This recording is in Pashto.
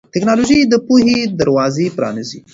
ټیکنالوژي د پوهې دروازې پرانیزي.